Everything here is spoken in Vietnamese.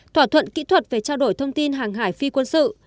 thỏa thuận kỹ thuật về trao đổi thông tin hàng hải phi quân sự